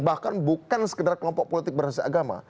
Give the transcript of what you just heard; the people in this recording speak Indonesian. bahkan bukan sekedar kelompok politik beragama